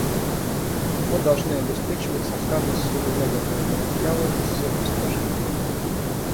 Мы должны обеспечивать сохранность всего ядерного материала из всех источников.